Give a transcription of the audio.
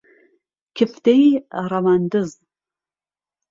کفتەی ڕەواندز